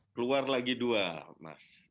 keluar lagi dua mas